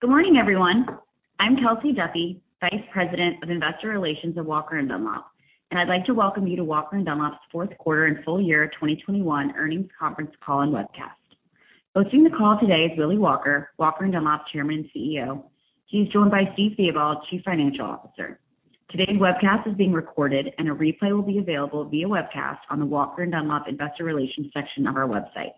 Good morning, everyone. I'm Kelsey Duffey, Vice President of Investor Relations at Walker & Dunlop. I'd like to welcome you to Walker & Dunlop's fourth quarter and full year 2021 earnings conference call and webcast. Hosting the call today is Willy Walker, Walker & Dunlop Chairman and CEO. He's joined by Steve Theobald, Chief Financial Officer. Today's webcast is being recorded, and a replay will be available via webcast on the Walker & Dunlop Investor Relations section of our website.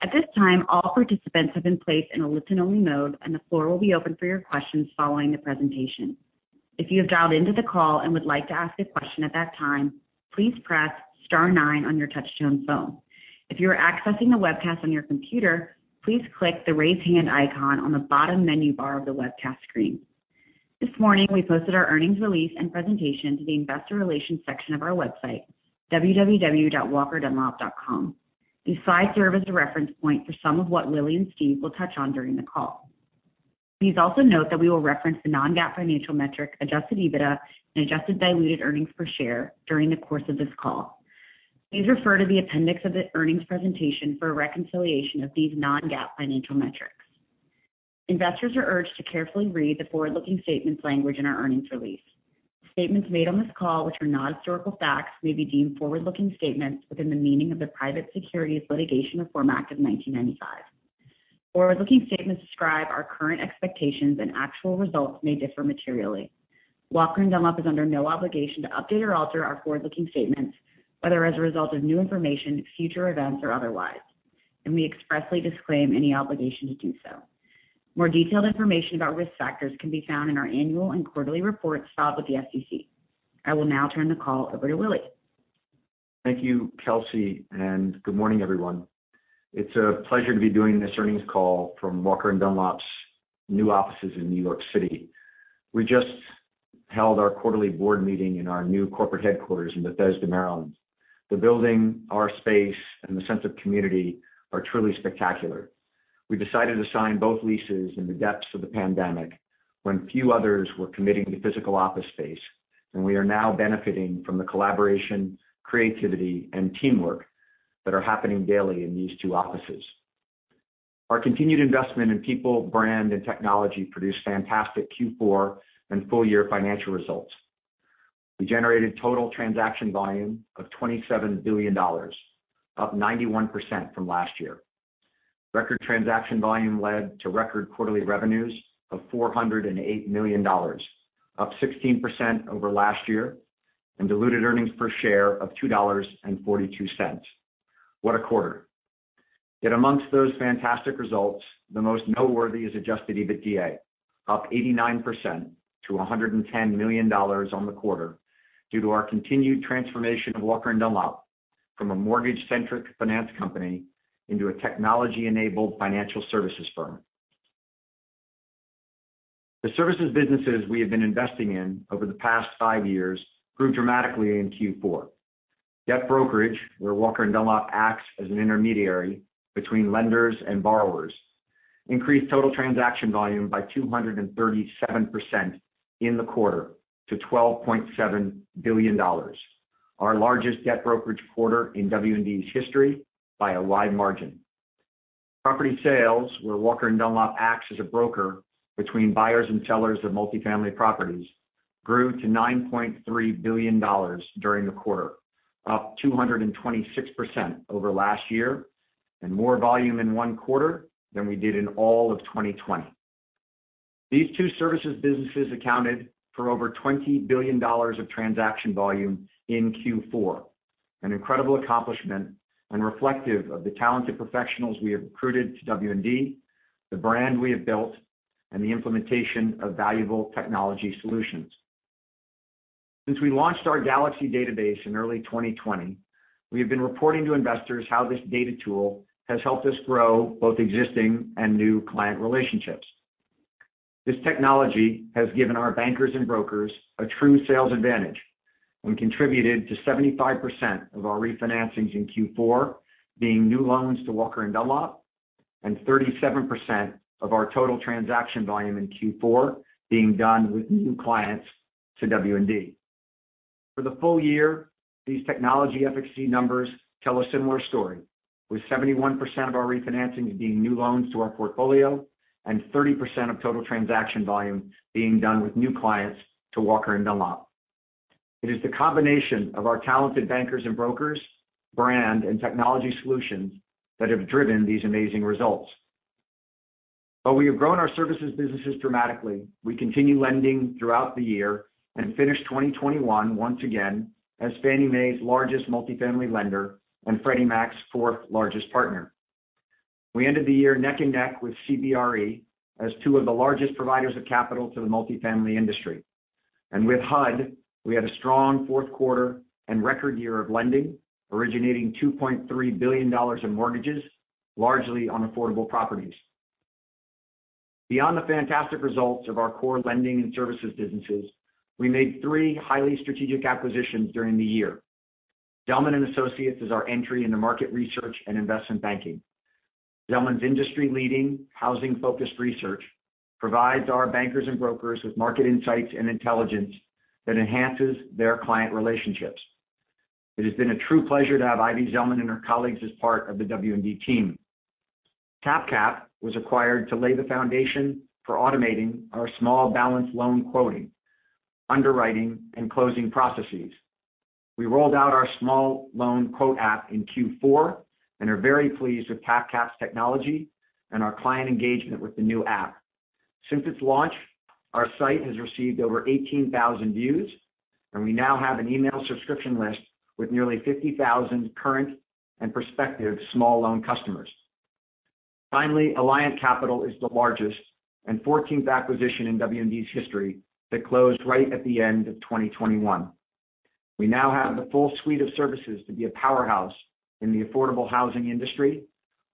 At this time, all participants have been placed in a listen-only mode, and the floor will be open for your questions following the presentation. If you have dialed into the call and would like to ask a question at that time, please press Star nine on your touch-tone phone. If you are accessing the webcast on your computer, please click the raise hand icon on the bottom menu bar of the webcast screen. This morning, we posted our earnings release and presentation to the Investor Relations section of our website, www.walkerdunlop.com. These Slides serve as a reference point for some of what Willy and Steve will touch on during the call. Please also note that we will reference the non-GAAP financial metric, adjusted EBITDA and adjusted diluted earnings per share during the course of this call. Please refer to the appendix of the earnings presentation for a reconciliation of these non-GAAP financial metrics. Investors are urged to carefully read the forward-looking statements language in our earnings release. Statements made on this call, which are not historical facts, may be deemed forward-looking statements within the meaning of the Private Securities Litigation Reform Act of 1995. Forward-looking statements describe our current expectations, and actual results may differ materially. Walker & Dunlop is under no obligation to update or alter our forward-looking statements, whether as a result of new information, future events, or otherwise, and we expressly disclaim any obligation to do so. More detailed information about risk factors can be found in our annual and quarterly reports filed with the SEC. I will now turn the call over to Willy. Thank you, Kelsey, and good morning, everyone. It's a pleasure to be doing this earnings call from Walker & Dunlop's new offices in New York City. We just held our quarterly board meeting in our new corporate headquarters in Bethesda, Maryland. The building, our space, and the sense of community are truly spectacular. We decided to sign both leases in the depths of the pandemic when few others were committing to physical office space, and we are now benefiting from the collaboration, creativity, and teamwork that are happening daily in these two offices. Our continued investment in people, brand, and technology produced fantastic Q4 and full-year financial results. We generated total transaction volume of $27 billion, up 91% from last year. Record transaction volume led to record quarterly revenues of $408 million, up 16% over last year, and diluted earnings per share of $2.42. What a quarter. Yet amongst those fantastic results, the most noteworthy is adjusted EBITDA, up 89% to $110 million on the quarter due to our continued transformation of Walker & Dunlop from a mortgage-centric finance company into a technology-enabled financial services firm. The services businesses we have been investing in over the past five years grew dramatically in Q4. Debt brokerage, where Walker & Dunlop acts as an intermediary between lenders and borrowers, increased total transaction volume by 237% in the quarter to $12.7 billion. Our largest debt brokerage quarter in W&D's history by a wide margin. Property sales, where Walker & Dunlop acts as a broker between buyers and sellers of multifamily properties, grew to $9.3 billion during the quarter, up 226% over last year and more volume in one quarter than we did in all of 2020. These two services businesses accounted for over $20 billion of transaction volume in Q4, an incredible accomplishment and reflective of the talented professionals we have recruited to W&D, the brand we have built, and the implementation of valuable technology solutions. Since we launched our Galaxy database in early 2020, we have been reporting to investors how this data tool has helped us grow both existing and new client relationships. This technology has given our bankers and brokers a true sales advantage and contributed to 75% of our refinancings in Q4 being new loans to Walker & Dunlop and 37% of our total transaction volume in Q4 being done with new clients to W&D. For the full year, these technology FXC numbers tell a similar story, with 71% of our refinancing being new loans to our portfolio and 30% of total transaction volume being done with new clients to Walker & Dunlop. It is the combination of our talented bankers and brokers, brand, and technology solutions that have driven these amazing results. We have grown our services businesses dramatically. We continue lending throughout the year and finished 2021 once again as Fannie Mae's largest multifamily lender and Freddie Mac's fourth-largest partner. We ended the year neck and neck with CBRE as two of the largest providers of capital to the multifamily industry. With HUD, we had a strong fourth quarter and record year of lending, originating $2.3 billion in mortgages, largely on affordable properties. Beyond the fantastic results of our core lending and services businesses, we made three highly strategic acquisitions during the year. Zelman & Associates is our entry into market research and investment banking. Zelman's industry-leading, housing-focused research provides our bankers and brokers with market insights and intelligence that enhances their client relationships. It has been a true pleasure to have Ivy Zelman and her colleagues as part of the WD team. TapCap was acquired to lay the foundation for automating our small balance loan quoting, underwriting, and closing processes. We rolled out our small loan quote app in Q4 and are very pleased with TapCap's technology and our client engagement with the new app. Since its launch, our site has received over 18,000 views, and we now have an email subscription list with nearly 50,000 current and prospective small loan customers. Finally, Alliant Capital is the largest and 14th acquisition in WD's history that closed right at the end of 2021. We now have the full suite of services to be a powerhouse in the affordable housing industry,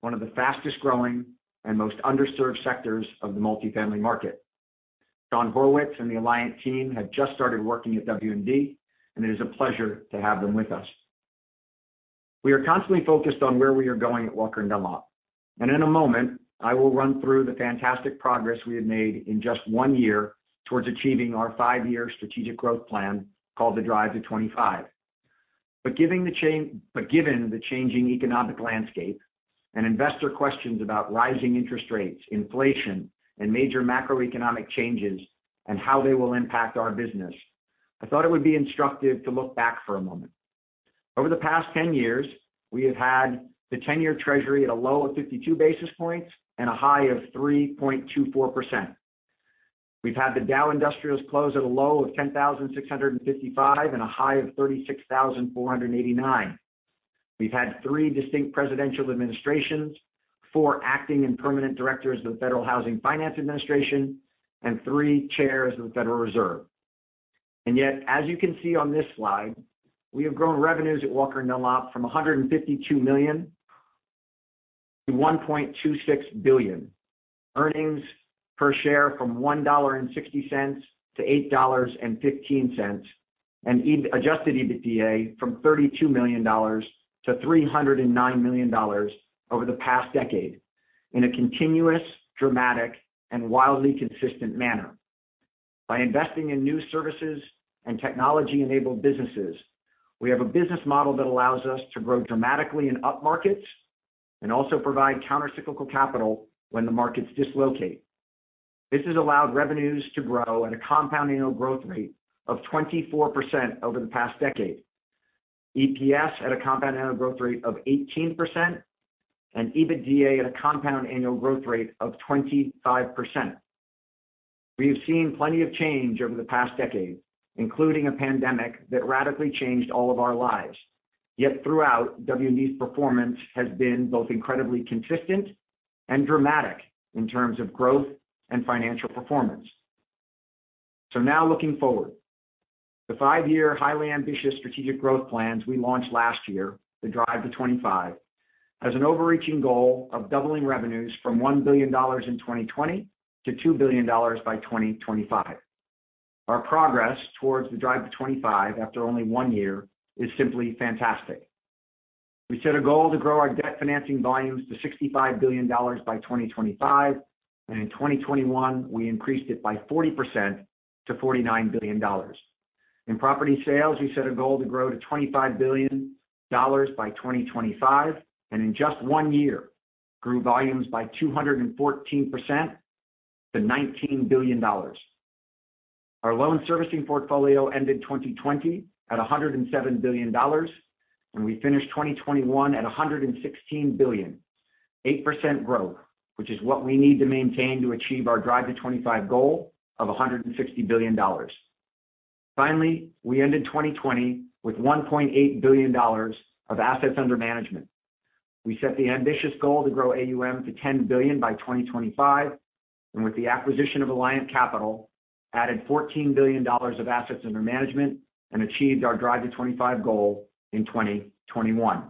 one of the fastest-growing and most underserved sectors of the multifamily market. Shawn Horwitz and the Alliant team have just started working at WD, and it is a pleasure to have them with us. We are constantly focused on where we are going at Walker & Dunlop. In a moment, I will run through the fantastic progress we have made in just one year towards achieving our five-year strategic growth plan called the Drive to '25. Given the changing economic landscape and investor questions about rising interest rates, inflation, and major macroeconomic changes and how they will impact our business, I thought it would be instructive to look back for a moment. Over the past ten years, we have had the 10-year Treasury at a low of 52 basis points and a high of 3.24%. We have had the Dow Jones Industrial Average close at a low of 10,655 and a high of 36,489. We have had three distinct presidential administrations, four acting and permanent directors of the Federal Housing Finance Agency, and three chairs of the Federal Reserve. Yet, as you can see on this Slide, we have grown revenues at Walker & Dunlop from $152 million to $1.26 billion. Earnings per share from $1.60 to $8.15, and adjusted EBITDA from $32 million to $309 million over the past decade in a continuous, dramatic, and wildly consistent manner. By investing in new services and technology-enabled businesses, we have a business model that allows us to grow dramatically in up markets and also provide countercyclical capital when the markets dislocate. This has allowed revenues to grow at a compound annual growth rate of 24% over the past decade. EPS at a compound annual growth rate of 18%, and EBITDA at a compound annual growth rate of 25%. We have seen plenty of change over the past decade, including a pandemic that radically changed all of our lives. Yet throughout, WD's performance has been both incredibly consistent and dramatic in terms of growth and financial performance. Now looking forward, the five-year highly ambitious strategic growth plans we launched last year, the Drive to '25, has an overreaching goal of doubling revenues from $1 billion in 2020 to $2 billion by 2025. Our progress towards the Drive to '25 after only one year is simply fantastic. We set a goal to grow our debt financing volumes to $65 billion by 2025, and in 2021, we increased it by 40% to $49 billion. In property sales, we set a goal to grow to $25 billion by 2025, and in just one year, grew volumes by 214% to $19 billion. Our loan servicing portfolio ended 2020 at $107 billion, and we finished 2021 at $116 billion, 8% growth, which is what we need to maintain to achieve our Drive to '25 goal of $160 billion. Finally, we ended 2020 with $1.8 billion of assets under management. We set the ambitious goal to grow AUM to $10 billion by 2025, and with the acquisition of Alliant Capital, added $14 billion of assets under management and achieved our Drive to '25 goal in 2021.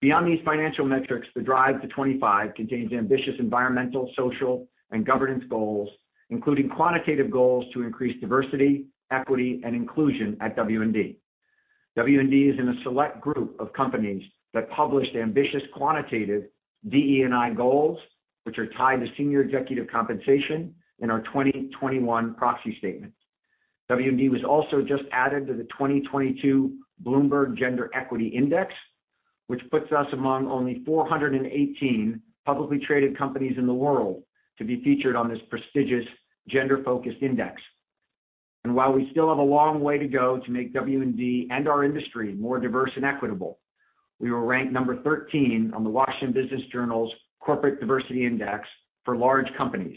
Beyond these financial metrics, the Drive to '25 contains ambitious environmental, social, and governance goals, including quantitative goals to increase diversity, equity, and inclusion at W&D. W&D is in a select group of companies that published ambitious quantitative DE&I goals which are tied to senior executive compensation in our 2021 proxy statement. W&D was also just added to the 2022 Bloomberg Gender-Equality Index, which puts us among only 418 publicly traded companies in the world to be featured on this prestigious gender-focused index. While we still have a long way to go to make W&D and our industry more diverse and equitable, we were ranked number 13 on the Washington Business Journal's Corporate Diversity Index for large companies,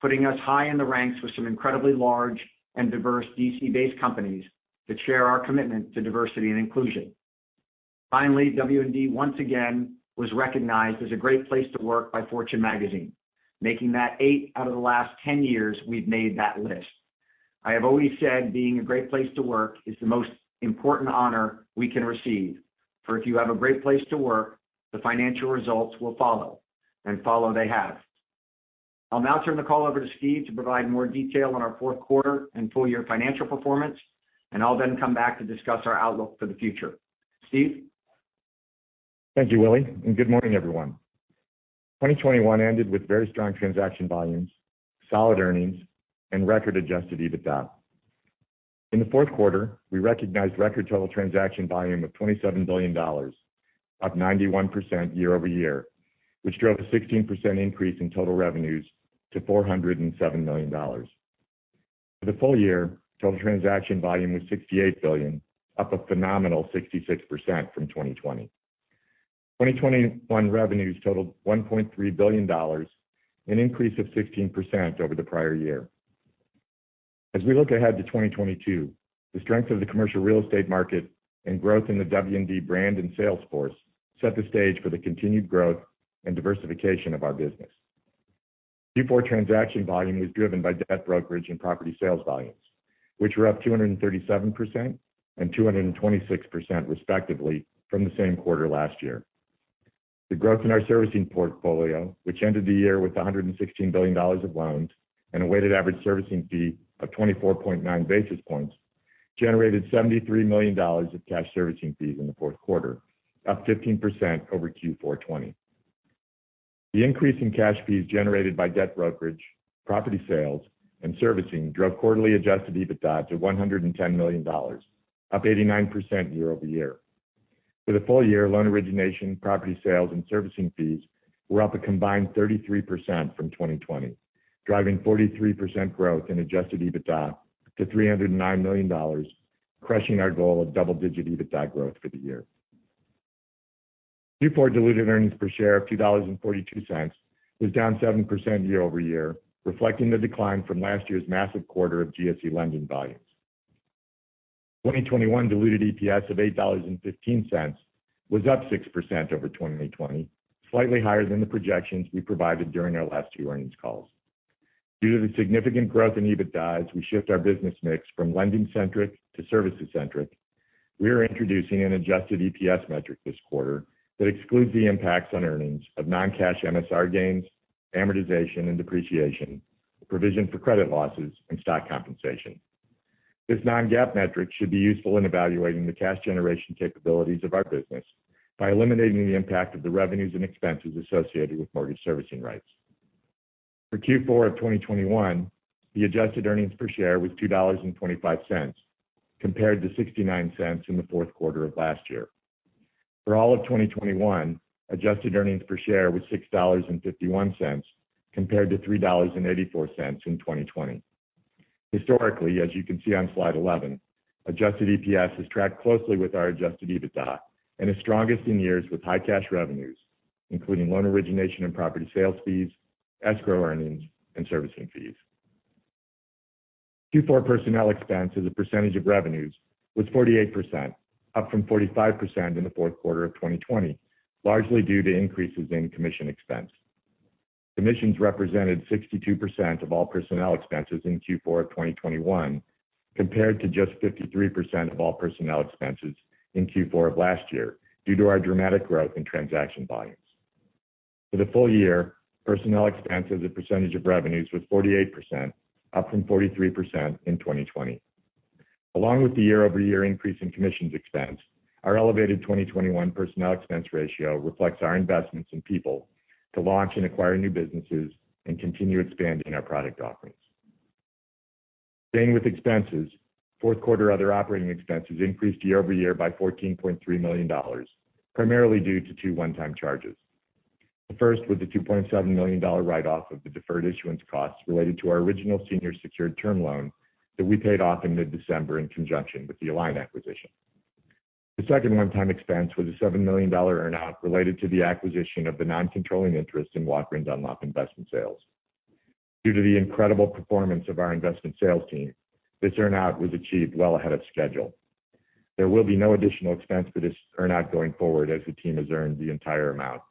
putting us high in the ranks with some incredibly large and diverse D.C.-based companies that share our commitment to diversity and inclusion. Finally, WD, once again, was recognized as a great place to work by Fortune Magazine, making that eight out of the last ten years we've made that list. I have always said being a great place to work is the most important honor we can receive, for if you have a great place to work, the financial results will follow, and follow they have. I'll now turn the call over to Steve to provide more detail on our fourth quarter and full-year financial performance, and I'll then come back to discuss our outlook for the future. Steve? Thank you, Willy, and good morning, everyone. 2021 ended with very strong transaction volumes, solid earnings, and record adjusted EBITDA. In the fourth quarter, we recognized record total transaction volume of $27 billion, up 91% year over year, which drove a 16% increase in total revenues to $407 million. For the full year, total transaction volume was $68 billion, up a phenomenal 66% from 2020. 2021 revenues totaled $1.3 billion, an increase of 16% over the prior year. As we look ahead to 2022, the strength of the commercial real estate market and growth in the W&D brand and sales force set the stage for the continued growth and diversification of our business. Q4 transaction volume was driven by debt brokerage and property sales volumes, which were up 237% and 226% respectively from the same quarter last year. The growth in our servicing portfolio, which ended the year with $116 billion of loans and a weighted average servicing fee of 24.9 basis points, generated $73 million of cash servicing fees in the fourth quarter, up 15% over Q4 2020. The increase in cash fees generated by debt brokerage, property sales, and servicing drove quarterly adjusted EBITDA to $110 million, up 89% year-over-year. For the full year, loan origination, property sales, and servicing fees were up a combined 33% from 2020, driving 43% growth in adjusted EBITDA to $309 million, crushing our goal of double-digit EBITDA growth for the year. Q4 diluted earnings per share of $2.42 was down 7% year-over-year, reflecting the decline from last year's massive quarter of GSE lending volume. 2021 diluted EPS of $8.15 was up 6% over 2020, slightly higher than the projections we provided during our last two earnings calls. Due to the significant growth in EBITDA, we shift our business mix from lending-centric to services-centric. We are introducing an adjusted EPS metric this quarter that excludes the impacts on earnings of non-cash MSR gains, amortization and depreciation, provision for credit losses and stock compensation. This non-GAAP metric should be useful in evaluating the cash generation capabilities of our business by eliminating the impact of the revenues and expenses associated with mortgage servicing rights. For Q4 of 2021, the adjusted earnings per share was $2.25 compared to $0.69 in the fourth quarter of last year. For all of 2021, adjusted earnings per share was $6.51 compared to $3.84 in 2020. Historically, as you can see on Slide 11, adjusted EPS has tracked closely with our adjusted EBITDA and is strongest in years with high cash revenues, including loan origination and property sales fees, escrow earnings, and servicing fees. Q4 personnel expense as a percentage of revenues was 48%, up from 45% in the fourth quarter of 2020, largely due to increases in commission expense. Commissions represented 62% of all personnel expenses in Q4 of 2021, compared to just 53% of all personnel expenses in Q4 of last year due to our dramatic growth in transaction volumes. For the full year, personnel expense as a percentage of revenues was 48%, up from 43% in 2020. Along with the year-over-year increase in commissions expense, our elevated 2021 personnel expense ratio reflects our investments in people to launch and acquire new businesses and continue expanding our product offerings. Staying with expenses, fourth quarter other operating expenses increased year-over-year by $14.3 million, primarily due to two one-time charges. The first was a $2.7 million write-off of the deferred issuance costs related to our original senior secured term loan that we paid off in mid-December in conjunction with the Alliant acquisition. The second one-time expense was a $7 million earn out related to the acquisition of the non-controlling interest in Walker & Dunlop Investment Sales. Due to the incredible performance of our investment sales team, this earn out was achieved well ahead of schedule. There will be no additional expense for this earn out going forward as the team has earned the entire amount.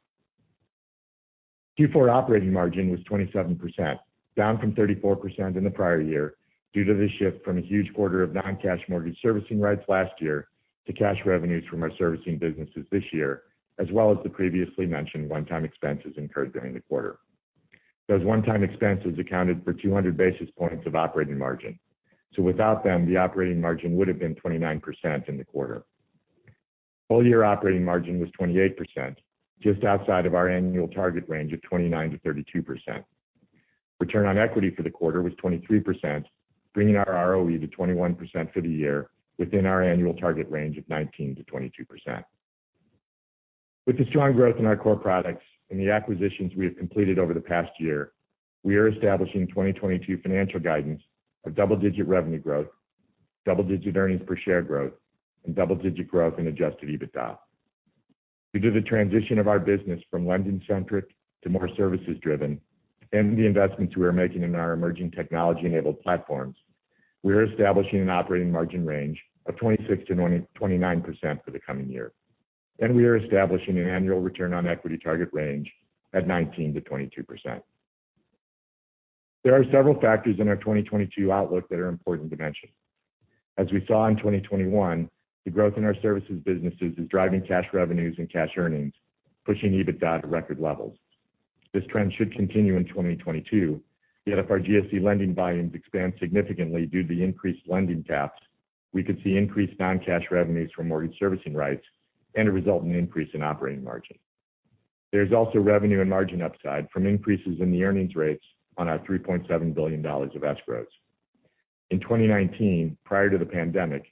Q4 operating margin was 27%, down from 34% in the prior year due to the shift from a huge quarter of non-cash mortgage servicing rights last year to cash revenues from our servicing businesses this year, as well as the previously mentioned one-time expenses incurred during the quarter. Those one-time expenses accounted for 200 basis points of operating margin. Without them, the operating margin would have been 29% in the quarter. Full-year operating margin was 28%, just outside of our annual target range of 29%-32%. Return on equity for the quarter was 23%, bringing our ROE to 21% for the year within our annual target range of 19%-22%. With the strong growth in our core products and the acquisitions we have completed over the past year, we are establishing 2022 financial guidance of double-digit revenue growth, double-digit earnings per share growth, and double-digit growth in adjusted EBITDA. Due to the transition of our business from lending centric to more services driven and the investments we are making in our emerging technology-enabled platforms, we are establishing an operating margin range of 26%-29% for the coming year. We are establishing an annual return on equity target range at 19%-22%. There are several factors in our 2022 outlook that are important to mention. As we saw in 2021, the growth in our services businesses is driving cash revenues and cash earnings, pushing EBITDA to record levels. This trend should continue in 2022, yet if our GSE lending volumes expand significantly due to the increased lending caps, we could see increased non-cash revenues from mortgage servicing rights and as a result in an increase in operating margin. There's also revenue and margin upside from increases in the earnings rates on our $3.7 billion of escrows. In 2019, prior to the pandemic,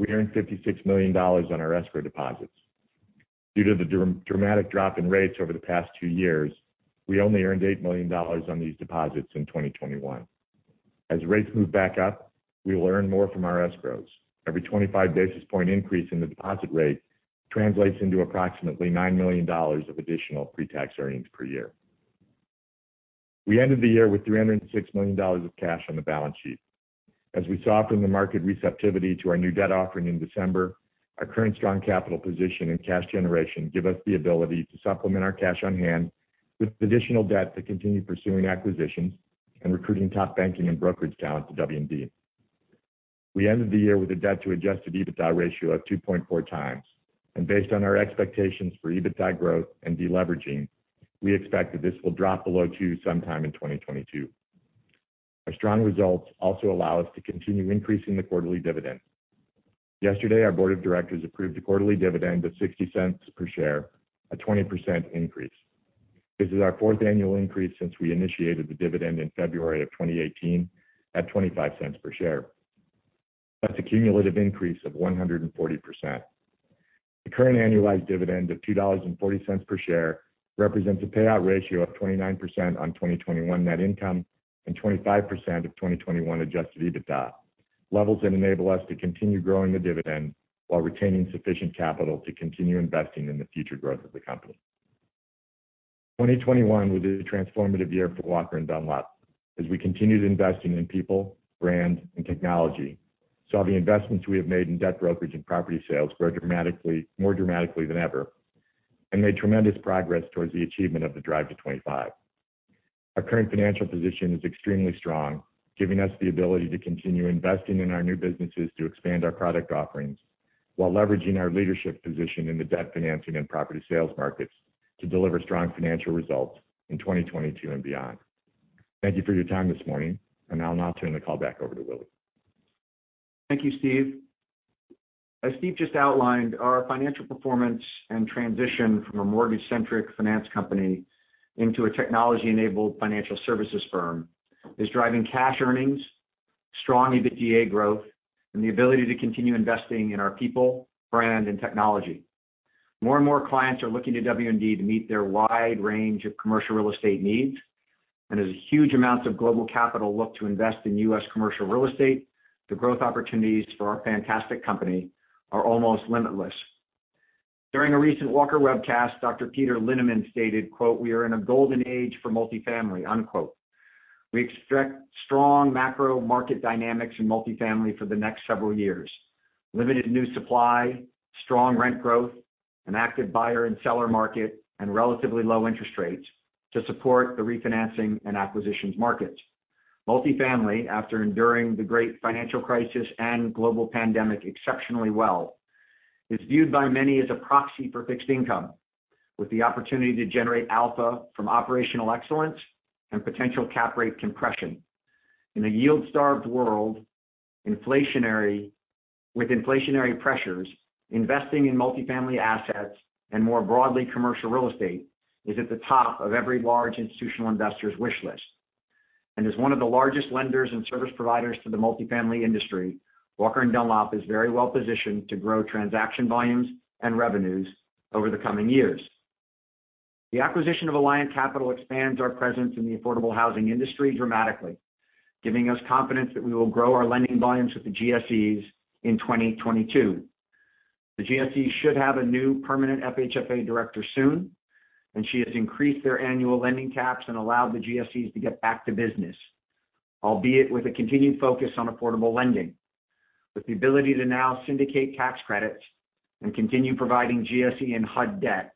we earned $56 million on our escrow deposits. Due to the dramatic drop in rates over the past two years, we only earned $8 million on these deposits in 2021. As rates move back up, we will earn more from our escrows. Every 25 basis point increase in the deposit rate translates into approximately $9 million of additional pre-tax earnings per year. We ended the year with $306 million of cash on the balance sheet. As we saw from the market receptivity to our new debt offering in December, our current strong capital position and cash generation give us the ability to supplement our cash on hand with additional debt to continue pursuing acquisitions and recruiting top banking and brokerage talent to WD. We ended the year with a debt to adjusted EBITDA ratio of 2.4 times. Based on our expectations for EBITDA growth and deleveraging, we expect that this will drop below 2 sometime in 2022. Our strong results also allow us to continue increasing the quarterly dividend. Yesterday, our board of directors approved a quarterly dividend of $0.60 per share, a 20% increase. This is our 4th annual increase since we initiated the dividend in February 2018 at $0.25 per share. That's a cumulative increase of 140%. The current annualized dividend of $2.40 per share represents a payout ratio of 29% on 2021 net income and 25% of 2021 adjusted EBITDA, levels that enable us to continue growing the dividend while retaining sufficient capital to continue investing in the future growth of the company. 2021 was a transformative year for Walker & Dunlop. As we continued investing in people, brand, and technology, we saw the investments we have made in debt brokerage and property sales grow dramatically, more dramatically than ever, and made tremendous progress towards the achievement of the Drive to '25. Our current financial position is extremely strong, giving us the ability to continue investing in our new businesses to expand our product offerings while leveraging our leadership position in the debt financing and property sales markets to deliver strong financial results in 2022 and beyond. Thank you for your time this morning, and I'll now turn the call back over to Willy. Thank you, Steve. As Steve just outlined, our financial performance and transition from a mortgage-centric finance company into a technology-enabled financial services firm is driving cash earnings, strong EBITDA growth, and the ability to continue investing in our people, brand, and technology. More and more clients are looking to WD to meet their wide range of commercial real estate needs. As huge amounts of global capital look to invest in U.S. commercial real estate, the growth opportunities for our fantastic company are almost limitless. During a recent Walker webcast, Dr. Peter Linneman stated, quote, "We are in a golden age for multifamily," unquote. We expect strong macro market dynamics in multifamily for the next several years. Limited new supply, strong rent growth, an active buyer and seller market, and relatively low interest rates to support the refinancing and acquisitions markets. Multifamily, after enduring the great financial crisis and global pandemic exceptionally well, is viewed by many as a proxy for fixed income, with the opportunity to generate alpha from operational excellence and potential cap rate compression. In a yield-Starved world, with inflationary pressures, investing in multifamily assets and, more broadly, commercial real estate, is at the top of every large institutional investor's wish list. As one of the largest lenders and service providers to the multifamily industry, Walker & Dunlop is very well-positioned to grow transaction volumes and revenues over the coming years. The acquisition of Alliant Capital expands our presence in the affordable housing industry dramatically, giving us confidence that we will grow our lending volumes with the GSEs in 2022. The GSE should have a new permanent FHFA director soon, and she has increased their annual lending caps and allowed the GSEs to get back to business, albeit with a continued focus on affordable lending. With the ability to now syndicate tax credits and continue providing GSE and HUD debt,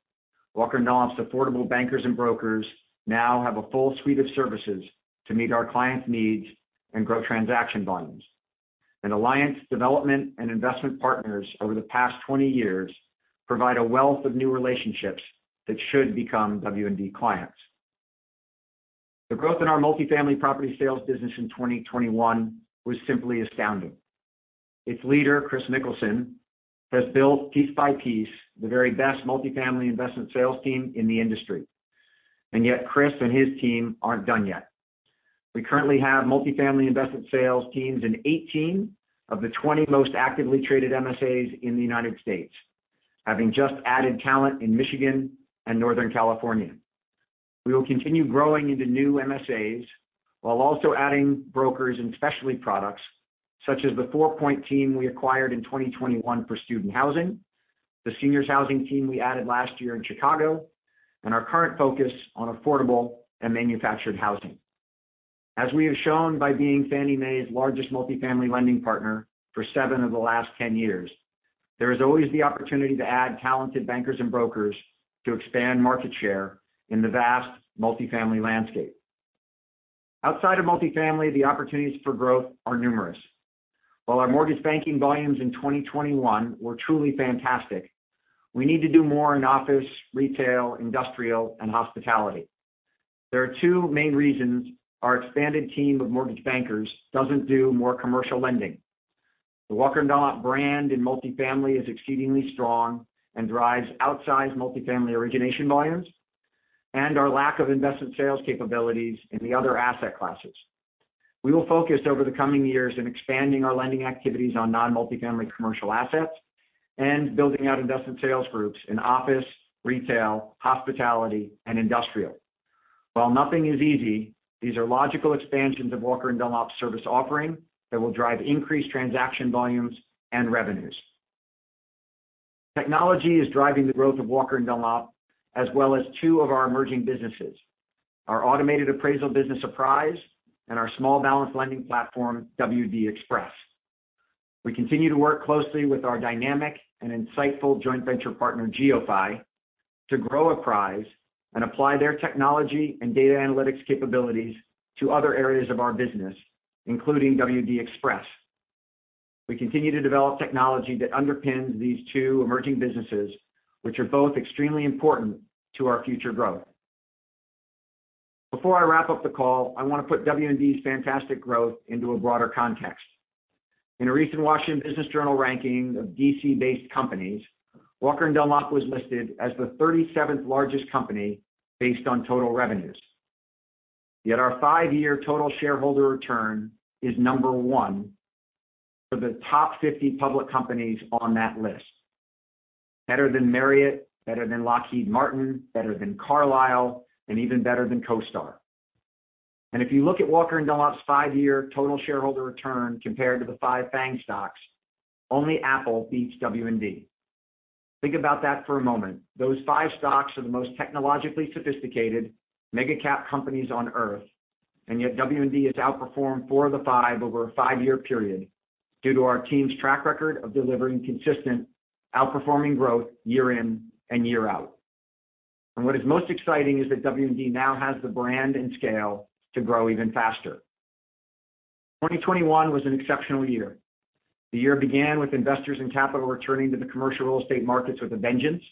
Walker & Dunlop's affordable bankers and brokers now have a full suite of services to meet our clients' needs and grow transaction volumes. Alliant's development and investment partners over the past 20 years provide a wealth of new relationships that should become W&D clients. The growth in our multifamily property sales business in 2021 was simply astounding. Its leader, Kris Mikkelsen, has built piece by piece the very best multifamily investment sales team in the industry. Yet Kris Mikkelsen and his team aren't done yet. We currently have multifamily investment sales teams in 18 of the 20 most actively traded MSAs in the United States, having just added talent in Michigan and Northern California. We will continue growing into new MSAs while also adding brokers and specialty products such as the FourPoint team we acquired in 2021 for student housing, the seniors housing team we added last year in Chicago, and our current focus on affordable and manufactured housing. As we have shown by being Fannie Mae's largest multifamily lending partner for seven of the last 10 years, there is always the opportunity to add talented bankers and brokers to expand market share in the vast multifamily landscape. Outside of multifamily, the opportunities for growth are numerous. While our mortgage banking volumes in 2021 were truly fantastic, we need to do more in office, retail, industrial, and hospitality. There are two main reasons our expanded team of mortgage bankers doesn't do more commercial lending. The Walker & Dunlop brand in multifamily is exceedingly strong and drives outsized multifamily origination volumes, and our lack of investment sales capabilities in the other asset classes. We will focus over the coming years in expanding our lending activities on non-multifamily commercial assets and building out investment sales groups in office, retail, hospitality, and industrial. While nothing is easy, these are logical expansions of Walker & Dunlop's service offering that will drive increased transaction volumes and revenues. Technology is driving the growth of Walker & Dunlop, as well as two of our emerging businesses, our automated appraisal business Apprise and our small balance lending platform WD Express. We continue to work closely with our dynamic and insightful joint venture partner GeoPhy to grow Apprise and apply their technology and data analytics capabilities to other areas of our business, including WD Express. We continue to develop technology that underpins these two emerging businesses, which are both extremely important to our future growth. Before I wrap up the call, I wanna put W&D's fantastic growth into a broader context. In a recent Washington Business Journal ranking of D.C.-based companies, Walker & Dunlop was listed as the 37th largest company based on total revenues. Yet our five-year total shareholder return is No. 1 for the top 50 public companies on that list. Better than Marriott, better than Lockheed Martin, better than Carlyle, and even better than CoStar. If you look at Walker & Dunlop's five-year total shareholder return compared to the 5 FAANG stocks, only Apple beats W&D. Think about that for a moment. Those five stocks are the most technologically sophisticated mega-cap companies on Earth, and yet W&D has outperformed four of the five over a five-year period due to our team's track record of delivering consistent outperforming growth year in and year out. What is most exciting is that W&D now has the brand and scale to grow even faster. 2021 was an exceptional year. The year began with investors and capital returning to the commercial real estate markets with a vengeance,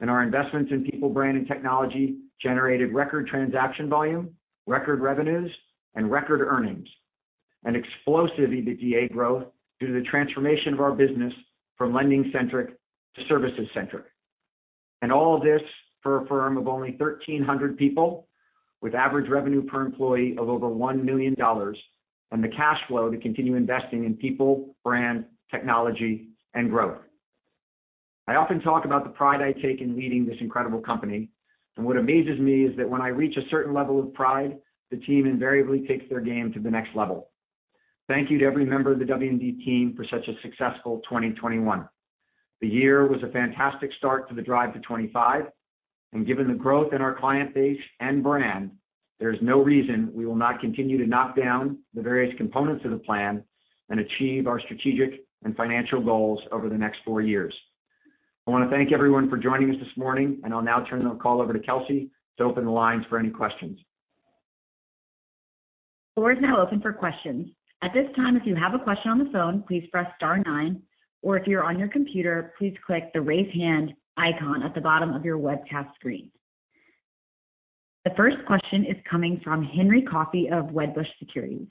and our investments in people, brand, and technology generated record transaction volume, record revenues, and record earnings, and explosive EBITDA growth due to the transformation of our business from lending-centric to services-centric. All this for a firm of only 1,300 people with average revenue per employee of over $1 million and the cash flow to continue investing in people, brand, technology, and growth. I often talk about the pride I take in leading this incredible company, and what amazes me is that when I reach a certain level of pride, the team invariably takes their game to the next level. Thank you to every member of the W&D team for such a successful 2021. The year was a fantastic start to the Drive to '25, and given the growth in our client base and brand, there's no reason we will not continue to knock down the various components of the plan and achieve our strategic and financial goals over the next four years. I wanna thank everyone for joining us this morning, and I'll now turn the call over to Kelsey to open the lines for any questions. The floor is now open for questions. At this time, if you have a question on the phone, please press Star nine, or if you're on your computer, please click the Raise Hand icon at the bottom of your webcast screen. The first question is coming from Henry Coffey of Wedbush Securities.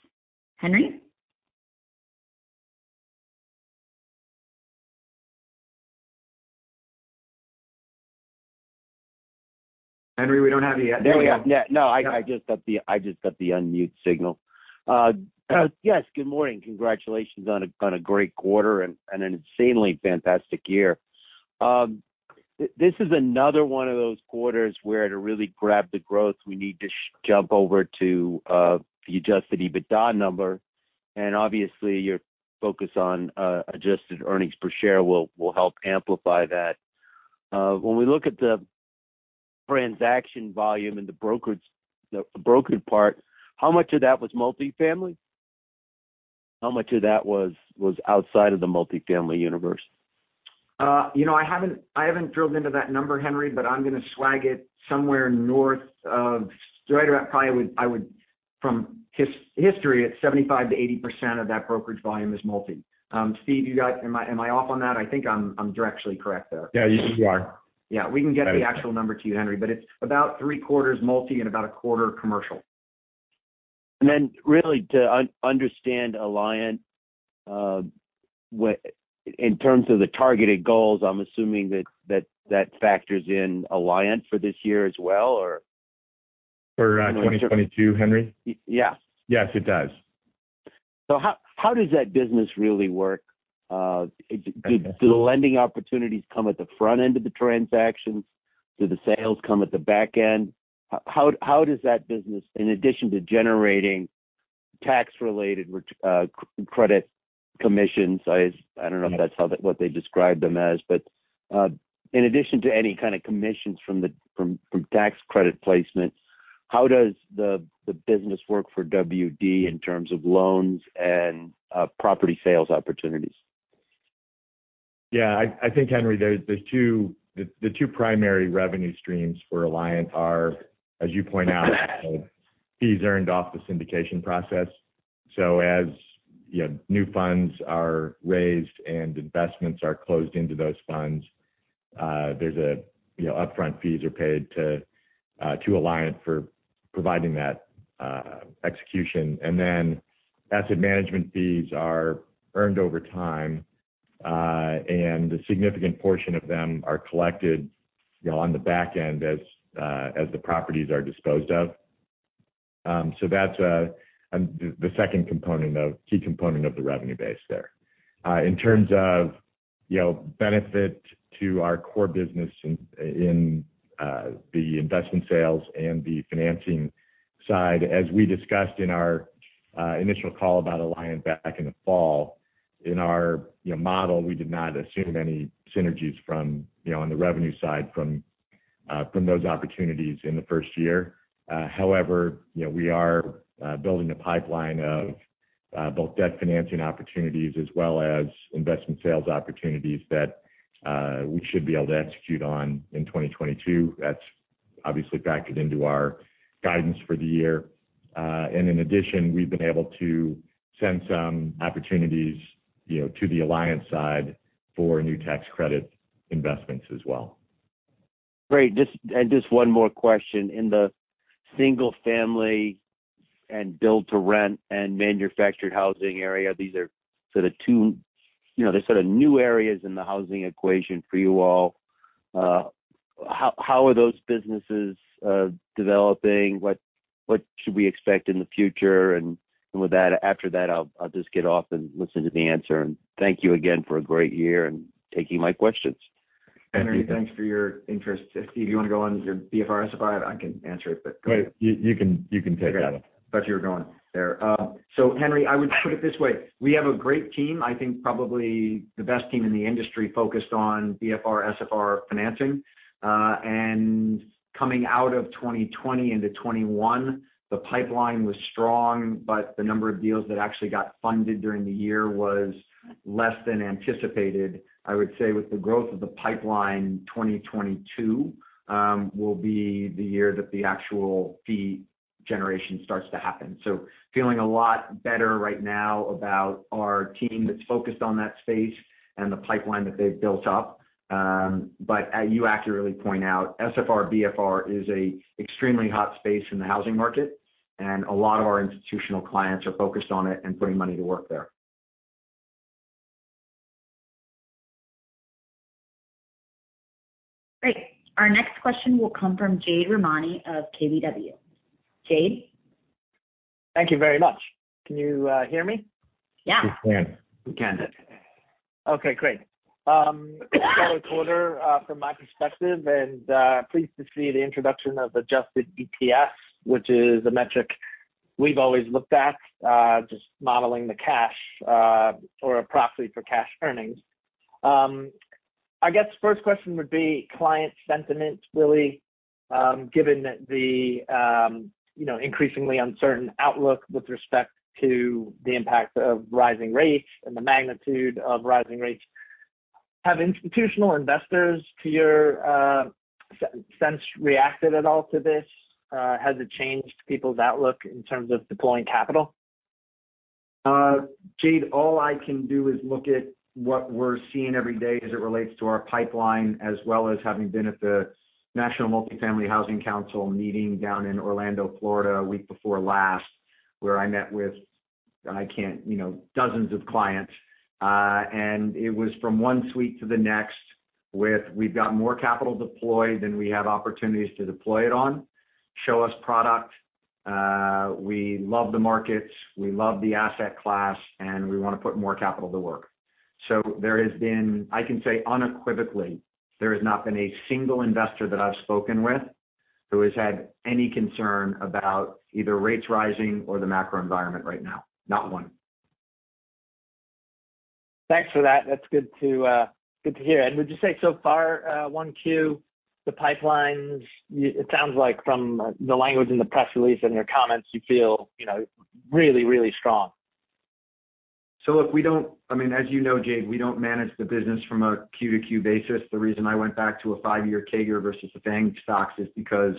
Henry? Henry, we don't have you yet. There we go. Yeah, no, I just got the unmute signal. Yes, good morning. Congratulations on a great quarter and an insanely fantastic year. This is another one of those quarters where to really grab the growth, we need to jump over to the adjusted EBITDA number, and obviously your focus on adjusted earnings per share will help amplify that. When we look at the transaction volume and the brokerage, the brokerage part, how much of that was multifamily? How much of that was outside of the multifamily universe? You know, I haven't drilled into that number, Henry, but I'm gonna swag it somewhere north of right around probably I would from its history. It's 75%-80% of that brokerage volume is multi. Steve, am I off on that? I think I'm directionally correct there. Yeah, you are. Yeah, we can get the actual number to you, Henry, but it's about three-quarters multi and about a quarter commercial. Really to understand Alliant, in terms of the targeted goals, I'm assuming that factors in Alliant for this year as well or For 2022, Henry? Y-yes. Yes, it does. How does that business really work? Do the lending opportunities come at the front end of the transactions? Do the sales come at the back end? How does that business, in addition to generating tax-related credit commissions, I don't know if that's how they, what they describe them as, but in addition to any kind of commissions from the tax credit placements, how does the business work for WD in terms of loans and property sales opportunities? Yeah, I think, Henry, there are two primary revenue streams for Alliant, as you point out, fees earned off the syndication process. As you know, new funds are raised and investments are closed into those funds. There are upfront fees paid to Alliant for providing that execution. Then asset management fees are earned over time, and a significant portion of them are collected, you know, on the back end as the properties are disposed of. That's the key component of the revenue base there. In terms of, you know, benefit to our core business in the investment sales and the financing side, as we discussed in our initial call about Alliant back in the fall, in our, you know, model, we did not assume any synergies from, you know, on the revenue side from those opportunities in the first year. However, you know, we are building a pipeline of both debt financing opportunities as well as investment sales opportunities that we should be able to execute on in 2022. That's obviously backed into our guidance for the year. In addition, we've been able to send some opportunities, you know, to the Alliant side for new tax credit investments as well. Just one more question. In the single family and build-to-rent and manufactured housing area, these are sort of two, you know, they're sort of new areas in the housing equation for you all. How are those businesses developing? What should we expect in the future? After that, I'll just get off and listen to the answer. Thank you again for a great year and taking my questions. Henry, thanks for your interest. If you wanna go on your BFR, SFR, I can answer it, but go ahead. You can take that. Thought you were going there. Henry, I would put it this way. We have a great team, I think probably the best team in the industry focused on BFR, SFR financing. Coming out of 2020 into 2021, the pipeline was strong, but the number of deals that actually got funded during the year was less than anticipated. I would say with the growth of the pipeline, 2022 will be the year that the actual fee generation starts to happen. Feeling a lot better right now about our team that's focused on that space and the pipeline that they've built up. You accurately point out, SFR, BFR is an extremely hot space in the housing market, and a lot of our institutional clients are focused on it and putting money to work there. Great. Our next question will come from Jade Rahmani of KBW. Jade? Thank you very much. Can you hear me? Yeah. We can. We can. Okay, great. Solid quarter from my perspective, and pleased to see the introduction of adjusted EPS, which is a metric we've always looked at, just modeling the cash, or a proxy for cash earnings. I guess first question would be client sentiment, really, given that the you know, increasingly uncertain outlook with respect to the impact of rising rates and the magnitude of rising rates. Have institutional investors, to your sense, reacted at all to this? Has it changed people's outlook in terms of deploying capital? Jade, all I can do is look at what we're seeing every day as it relates to our pipeline, as well as having been at the National Multifamily Housing Council meeting down in Orlando, Florida, a week before last, where I met with, you know, dozens of clients. It was from one suite to the next with, "We've got more capital deployed than we have opportunities to deploy it on. Show us product. We love the markets, we love the asset class, and we wanna put more capital to work." I can say unequivocally, there has not been a single investor that I've spoken with who has had any concern about either rates rising or the macro environment right now. Not one. Thanks for that. That's good to hear. Would you say so far, one Q, the pipelines, it sounds like from the language in the press release and your comments you feel, you know, really, really strong. Look, we don't. I mean, as you know, Jade, we don't manage the business from a Q to Q basis. The reason I went back to a five-year CAGR versus the bank stocks is because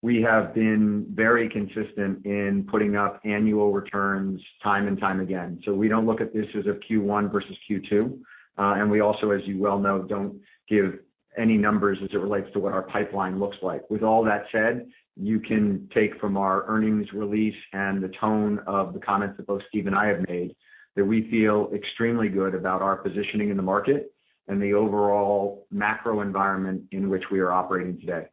we have been very consistent in putting up annual returns time and time again. We don't look at this as a Q one versus Q two. We also, as you well know, don't give any numbers as it relates to what our pipeline looks like. With all that said, you can take from our earnings release and the tone of the comments that both Steve and I have made that we feel extremely good about our positioning in the market and the overall macro environment in which we are operating today.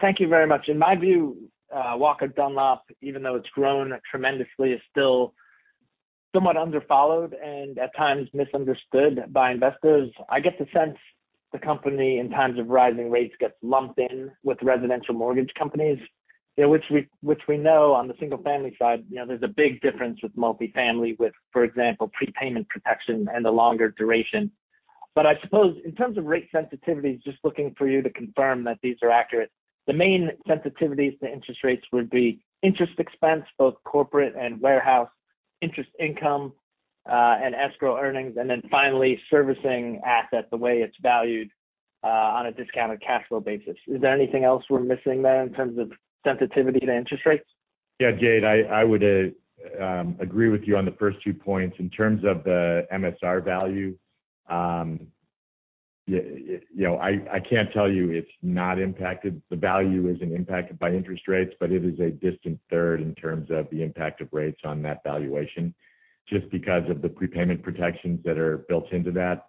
Thank you very much. In my view, Walker & Dunlop, even though it's grown tremendously, is still somewhat underfollowed and at times misunderstood by investors. I get the sense the company, in times of rising rates, gets lumped in with residential mortgage companies, you know, which we know on the single family side, you know, there's a big difference with multifamily with, for example, prepayment protection and the longer duration. I suppose in terms of rate sensitivity, just looking for you to confirm that these are accurate. The main sensitivities to interest rates would be interest expense, both corporate and warehouse interest income, and escrow earnings, and then finally servicing assets the way it's valued, on a discounted cash flow basis. Is there anything else we're missing there in terms of sensitivity to interest rates? Yeah. Jade, I would agree with you on the first two points. In terms of the MSR value, you know, I can't tell you it's not impacted. The value isn't impacted by interest rates, but it is a distant third in terms of the impact of rates on that valuation just because of the prepayment protections that are built into that.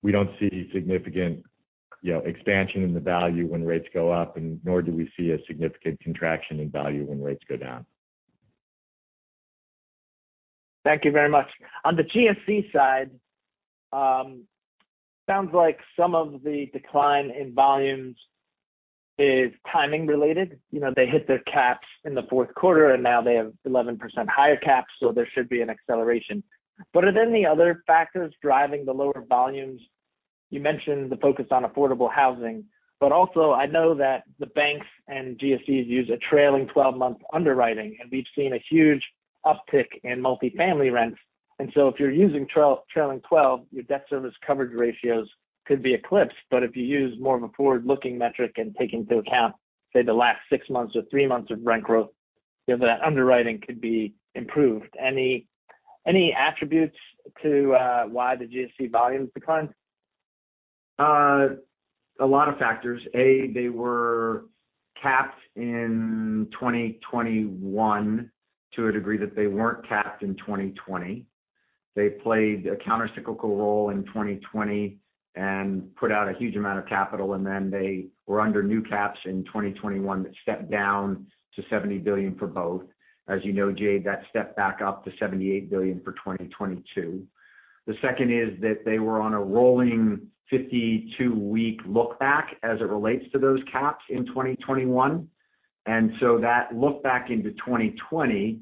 We don't see significant, you know, expansion in the value when rates go up, and nor do we see a significant contraction in value when rates go down. Thank you very much. On the GSE side, sounds like some of the decline in volumes is timing related. You know, they hit their caps in the fourth quarter, and now they have 11% higher caps, so there should be an acceleration. Are there any other factors driving the lower volumes? You mentioned the focus on affordable housing. I know that the banks and GSEs use a trailing twelve-month underwriting, and we've seen a huge uptick in multifamily rents. If you're using trailing twelve, your debt service coverage ratios could be eclipsed. If you use more of a forward-looking metric and take into account, say, the last six months or three months of rent growth, you know, that underwriting could be improved. Any attributes to why the GSE volumes declined? A lot of factors. A, they were capped in 2021 to a degree that they weren't capped in 2020. They played a counter-cyclical role in 2020 and put out a huge amount of capital, and then they were under new caps in 2021 that stepped down to $70 billion for both. As you know, Jade, that stepped back up to $78 billion for 2022. The second is that they were on a rolling 52-week look back as it relates to those caps in 2021. That look back into 2020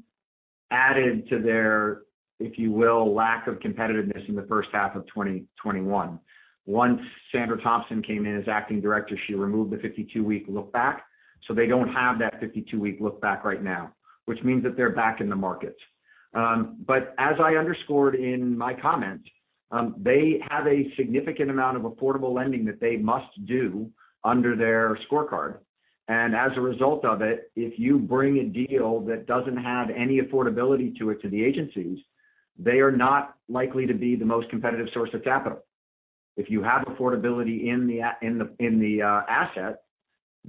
added to their, if you will, lack of competitiveness in the first half of 2021. Once Sandra Thompson came in as Acting Director, she removed the 52-week look back, so they don't have that 52-week look back right now, which means that they're back in the market. As I underscored in my comment, they have a significant amount of affordable lending that they must do under their scorecard. As a result of it, if you bring a deal that doesn't have any affordability to it to the agencies, they are not likely to be the most competitive source of capital. If you have affordability in the asset,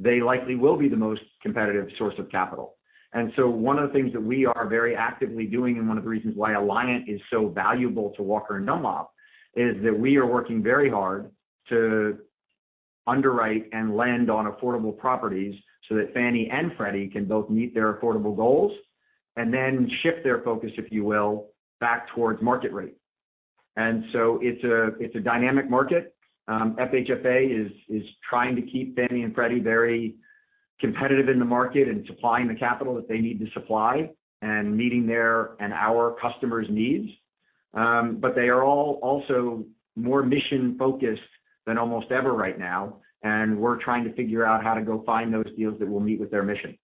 they likely will be the most competitive source of capital. One of the things that we are very actively doing and one of the reasons why Alliant is so valuable to Walker & Dunlop is that we are working very hard to underwrite and lend on affordable properties so that Fannie and Freddie can both meet their affordable goals and then shift their focus, if you will, back towards market rate. It's a dynamic market. FHFA is trying to keep Fannie and Freddie very competitive in the market and supplying the capital that they need to supply and meeting their and our customers' needs. But they are all also more mission-focused than almost ever right now, and we're trying to figure out how to go find those deals that will meet with their mission.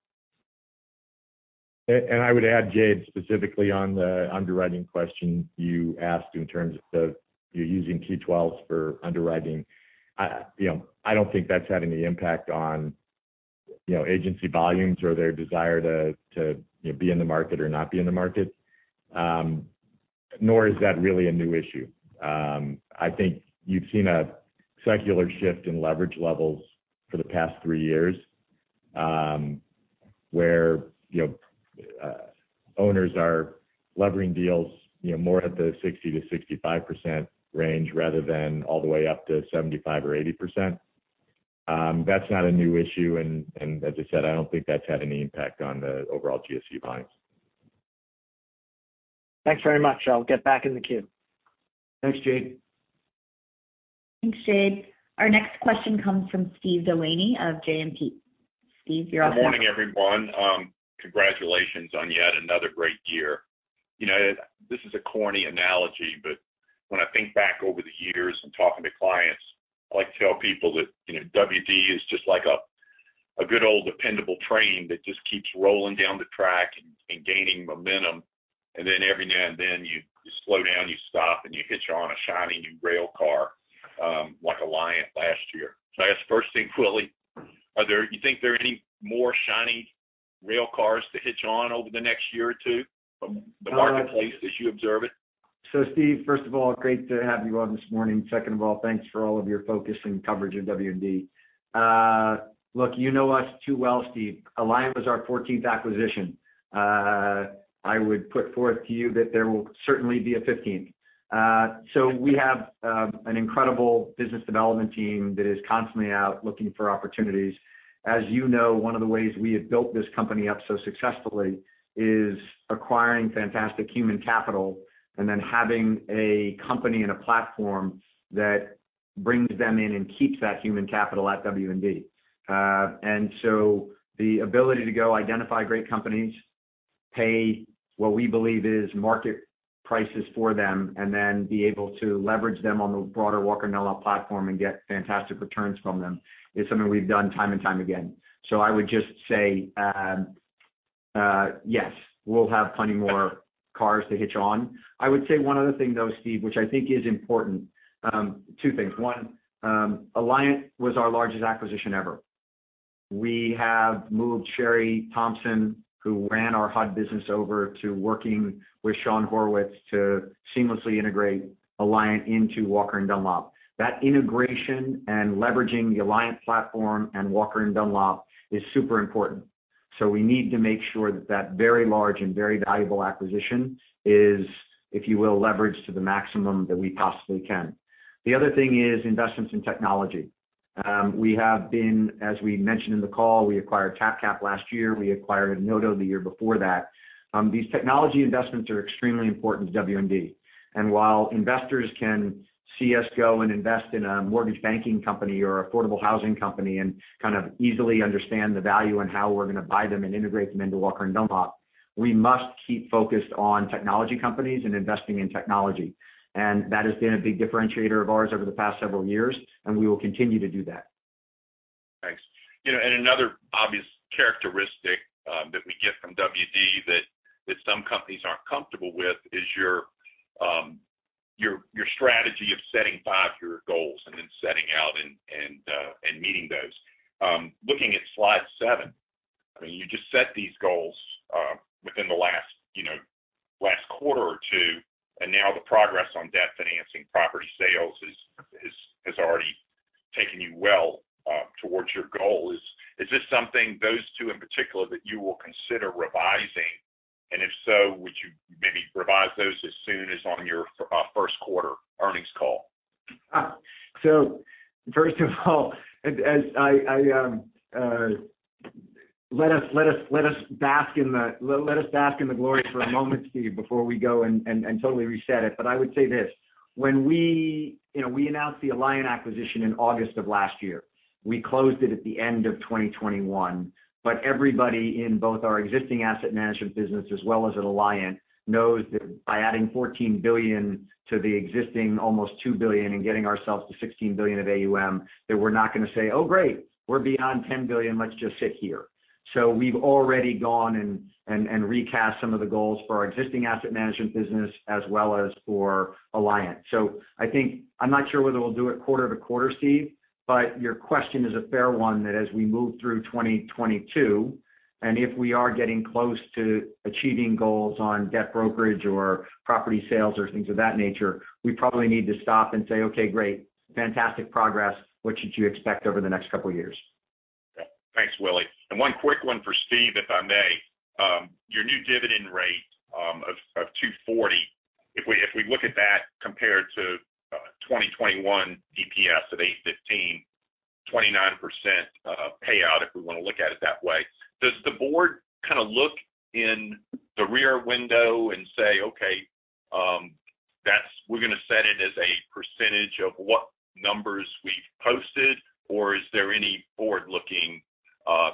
I would add, Jade, specifically on the underwriting question you asked in terms of you're using T12 for underwriting. I, you know, I don't think that's having an impact on, you know, agency volumes or their desire to, you know, be in the market or not be in the market. Nor is that really a new issue. I think you've seen a secular shift in leverage levels for the past three years, where, you know, owners are levering deals, you know, more at the 60%-65% range rather than all the way up to 75% or 80%. That's not a new issue, and as I said, I don't think that's had any impact on the overall GSE volumes. Thanks very much. I'll get back in the queue. Thanks, Jade. Thanks, Jade. Our next question comes from Steve DeLaney of JMP. Steve, you're on mute. Good morning, everyone. Congratulations on yet another great year. You know, this is a corny analogy, but when I think back over the years and talking to clients, I like to tell people that, you know, W&D is just like a good old dependable train that just keeps rolling down the track and gaining momentum. Every now and then, you slow down, you stop, and you hitch on a shiny new rail car, like Alliant last year. I guess first thing, Willy, you think there are any more shiny rail cars to hitch on over the next year or two from the marketplace as you observe it? Steve, first of all, great to have you on this morning. Second of all, thanks for all of your focus and coverage of W&D. Look, you know us too well, Steve. Alliant was our 14th acquisition. I would put forth to you that there will certainly be a 15th. We have an incredible business development team that is constantly out looking for opportunities. As you know, one of the ways we have built this company up so successfully is acquiring fantastic human capital and then having a company and a platform that brings them in and keeps that human capital at W&D. The ability to go identify great companies, pay what we believe is market prices for them and then be able to leverage them on the broader Walker & Dunlop platform and get fantastic returns from them is something we've done time and time again. I would just say, yes, we'll have plenty more cars to hitch on. I would say one other thing though, Steve, which I think is important. Two things. One, Alliant was our largest acquisition ever. We have moved Sherry Thompson, who ran our HUD business over to working with Shawn Horwitz to seamlessly integrate Alliant into Walker & Dunlop. That integration and leveraging the Alliant platform and Walker & Dunlop is super important. We need to make sure that very large and very valuable acquisition is, if you will, leveraged to the maximum that we possibly can. The other thing is investments in technology. We have been, as we mentioned in the call, we acquired TapCap last year. We acquired Enodo the year before that. These technology investments are extremely important to W&D. While investors can see us go and invest in a mortgage banking company or affordable housing company and kind of easily understand the value and how we're going to buy them and integrate them into Walker & Dunlop, we must keep focused on technology companies and investing in technology. That has been a big differentiator of ours over the past several years, and we will continue to do that. Thanks. You know, another obvious characteristic that we get from WD that some companies aren't comfortable with is your strategy of setting 5-year goals and then setting out and meeting those. Looking at Slide seven, I mean, you just set these goals within the last, you know, last quarter or two, and now the progress on debt financing, property sales has already taken you well towards your goal. Is this something, those two in particular, that you will consider revising? If so, would you maybe revise those as soon as on your first-quarter earnings call? First of all, let us bask in the glory for a moment, Steve, before we go and totally reset it. I would say this. You know, we announced the Alliant acquisition in August of last year. We closed it at the end of 2021. Everybody in both our existing asset management business as well as at Alliant knows that by adding $14 billion to the existing almost $2 billion and getting ourselves to $16 billion of AUM, that we're not going to say, "Oh, great. We're beyond $10 billion. Let's just sit here." We've already gone and recast some of the goals for our existing asset management business as well as for Alliant. I think I'm not sure whether we'll do it quarter-over-quarter, Steve, but your question is a fair one that as we move through 2022, and if we are getting close to achieving goals on debt brokerage or property sales or things of that nature, we probably need to stop and say, "Okay, great. Fantastic progress. What should you expect over the next couple of years? Thanks, Willy. One quick one for Steve, if I may. Your new dividend rate of $2.40, if we look at that compared to 2021 EPS of $8.15, 29% payout, if we want to look at it that way. Does the board kind of look in the rear window and say, "Okay, that's we're gonna set it as a percentage of what numbers we've posted," or is there any forward-looking.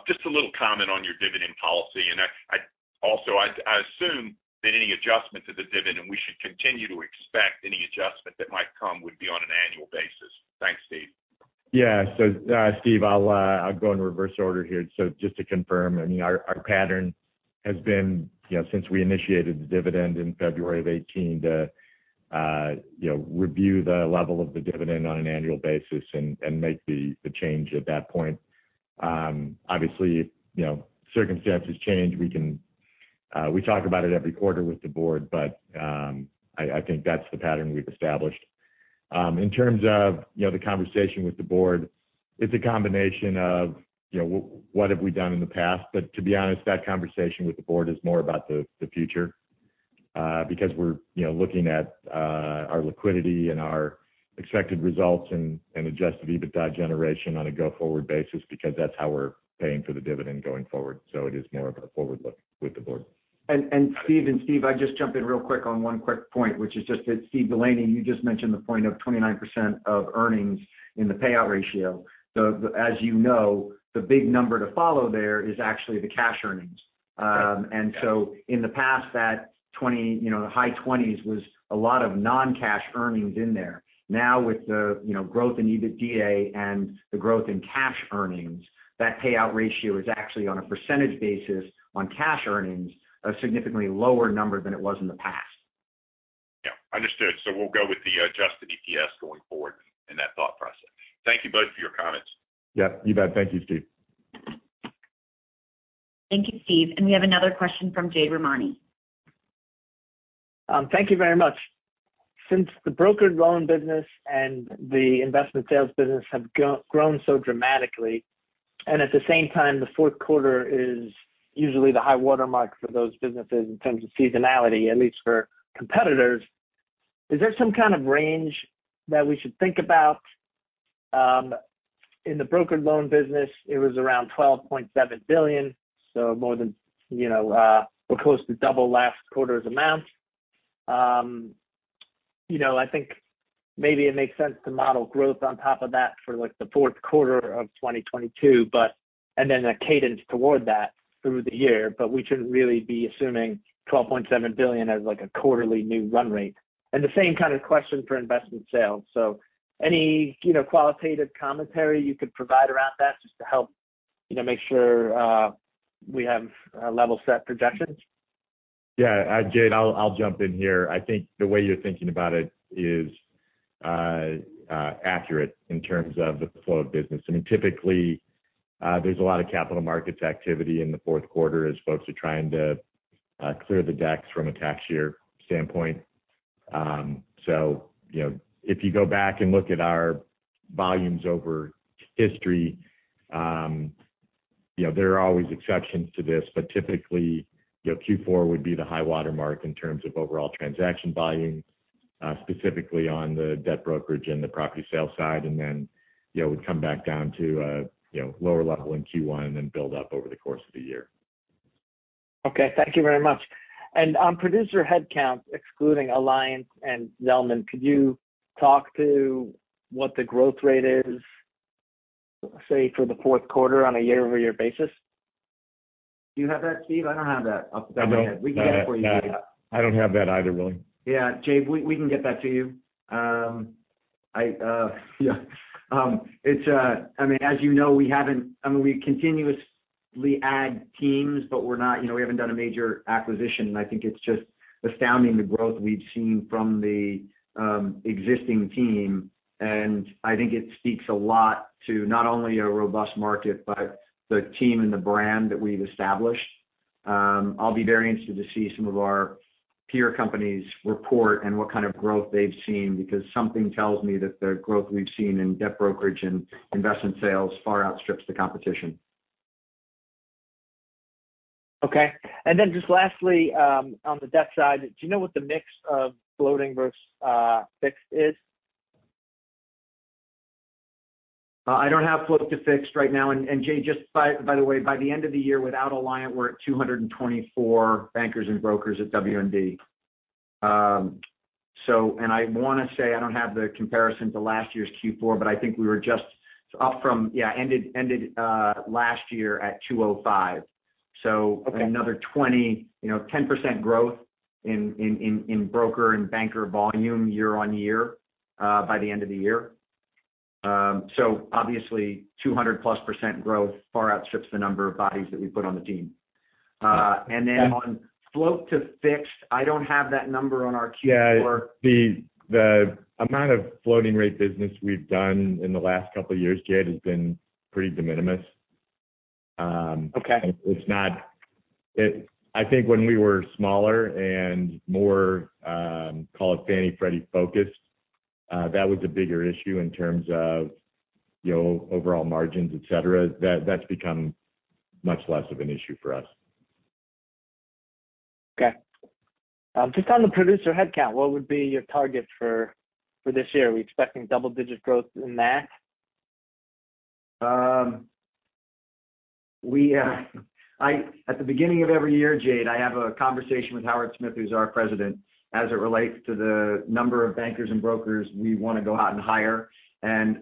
Just a little comment on your dividend policy. I also assume that any adjustment to the dividend, we should continue to expect any adjustment that might come would be on an annual basis. Thanks, Steve. Yeah, Steve, I'll go in reverse order here. Just to confirm, I mean, our pattern has been, you know, since we initiated the dividend in February 2018 to, you know, review the level of the dividend on an annual basis and make the change at that point. Obviously, you know, circumstances change. We talk about it every quarter with the board, but I think that's the pattern we've established. In terms of, you know, the conversation with the board, it's a combination of, you know, what have we done in the past. To be honest, that conversation with the board is more about the future, because we're, you know, looking at our liquidity and our expected results and adjusted EBITDA generation on a go-forward basis because that's how we're paying for the dividend going forward. It is more of a forward look with the board. Steve and Steve, I'll just jump in real quick on one quick point, which is just that Steve DeLaney, you just mentioned the point of 29% of earnings in the payout ratio. As you know, the big number to follow there is actually the cash earnings. In the past that 20, you know, high 20s was a lot of non-cash earnings in there. Now, with the, you know, growth in EBITDA and the growth in cash earnings, that payout ratio is actually on a percentage basis on cash earnings, a significantly lower number than it was in the past. Yeah, understood. We'll go with the adjusted EPS going forward in that thought process. Thank you both for your comments. Yeah, you bet. Thank you, Steve. Thank you, Steve. We have another question from Jade Rahmani. Thank you very much. Since the brokered loan business and the investment sales business have grown so dramatically, and at the same time, the fourth quarter is usually the high watermark for those businesses in terms of seasonality, at least for competitors, is there some kind of range that we should think about? In the brokered loan business, it was around $12.7 billion, so more than, you know, or close to double last quarter's amount. You know, I think maybe it makes sense to model growth on top of that for like the fourth quarter of 2022, and then a cadence toward that through the year. But we shouldn't really be assuming $12.7 billion as like a quarterly new run rate. And the same kind of question for investment sales. Any, you know, qualitative commentary you could provide around that just to help, you know, make sure we have a level set projections. Yeah. Jade, I'll jump in here. I think the way you're thinking about it is accurate in terms of the flow of business. I mean, typically, there's a lot of capital markets activity in the fourth quarter as folks are trying to clear the decks from a tax year standpoint. So, you know, if you go back and look at our volumes over history, you know, there are always exceptions to this. But typically, you know, Q4 would be the high water mark in terms of overall transaction volume, specifically on the debt brokerage and the property sales side. You know, it would come back down to a lower level in Q1 and then build up over the course of the year. Okay. Thank you very much. On producer headcount, excluding Alliant and Zelman, could you talk to what the growth rate is, say, for the fourth quarter on a year-over-year basis? Do you have that, Steve? I don't have that off the top of my head. I don't. We can get it for you. I don't have that either, Willy. Yeah. Jade, we can get that to you. I mean, as you know, we continuously add teams, but we're not, you know, we haven't done a major acquisition, and I think it's just astounding the growth we've seen from the existing team. I think it speaks a lot to not only a robust market, but the team and the brand that we've established. I'll be very interested to see some of our peer companies report and what kind of growth they've seen, because something tells me that the growth we've seen in debt brokerage and investment sales far outstrips the competition. Okay. Just lastly, on the debt side, do you know what the mix of floating versus fixed is? I don't have float to fixed right now. Jade, just by the way, by the end of the year, without Alliant, we're at 224 bankers and brokers at W&D. I wanna say I don't have the comparison to last year's Q4, but I think we were just up from yeah, ended last year at 205. Okay. Another 20, you know, 10% growth in broker and banker volume year-over-year by the end of the year. Obviously, 200%+ growth far outstrips the number of bodies that we put on the team. On float to fixed, I don't have that number on our Q4. Yeah. The amount of floating rate business we've done in the last couple years, Jade, has been pretty de minimis. Okay. I think when we were smaller and more, call it Fannie/Freddie focused, that was a bigger issue in terms of, you know, overall margins, et cetera. That's become much less of an issue for us. Okay. Just on the producer headcount, what would be your target for this year? Are we expecting double-digit growth in that? At the beginning of every year, Jade, I have a conversation with Howard Smith, who's our president, as it relates to the number of bankers and brokers we wanna go out and hire.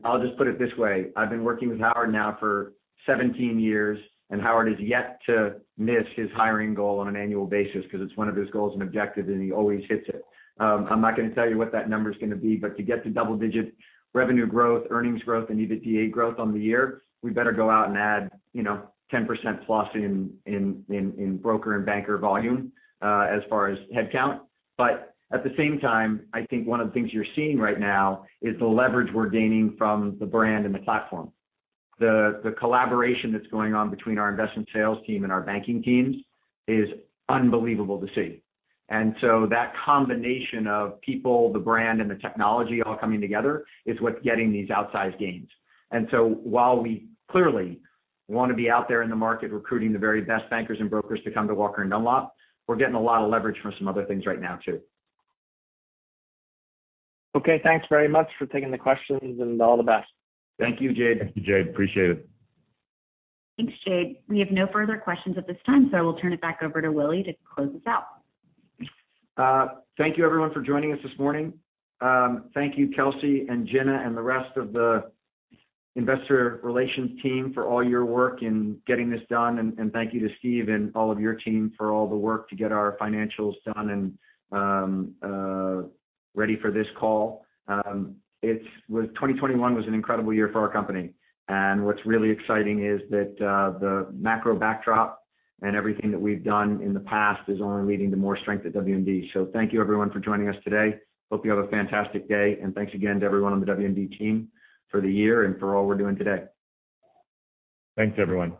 I'll just put it this way, I've been working with Howard now for 17 years, and Howard is yet to miss his hiring goal on an annual basis 'cause it's one of his goals and objectives, and he always hits it. I'm not gonna tell you what that number's gonna be, but to get to double digit revenue growth, earnings growth, and EBITDA growth on the year, we better go out and add, you know, 10%+ in broker and banker volume, as far as headcount. At the same time, I think one of the things you're seeing right now is the leverage we're gaining from the brand and the platform. The collaboration that's going on between our investment sales team and our banking teams is unbelievable to see. that combination of people, the brand, and the technology all coming together is what's getting these outsized gains. while we clearly wanna be out there in the market recruiting the very best bankers and brokers to come to Walker & Dunlop, we're getting a lot of leverage from some other things right now too. Okay. Thanks very much for taking the questions, and all the best. Thank you, Jade. Thank you, Jade. Appreciate it. Thanks, Jade. We have no further questions at this time, so I will turn it back over to Willy to close us out. Thank you everyone for joining us this morning. Thank you Kelsey and Jenna and the rest of the investor relations team for all your work in getting this done. Thank you to Steve and all of your team for all the work to get our financials done and ready for this call. Well, 2021 was an incredible year for our company. What's really exciting is that the macro backdrop and everything that we've done in the past is only leading to more strength at WD. Thank you everyone for joining us today. Hope you have a fantastic day, and thanks again to everyone on the WD team for the year and for all we're doing today. Thanks everyone.